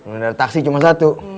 ada taksi cuma satu